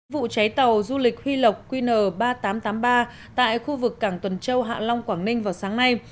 vụ cháy tàu du lịch huy lộc qn ba nghìn tám trăm tám mươi ba tại khu vực cảng tuần châu hạ long quảng ninh vào sáng nay